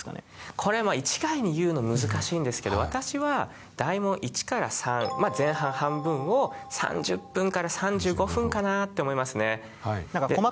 これ一概に言うの難しいんですけど私は大問１から３前半半分を３０分から３５分かなって思いますね。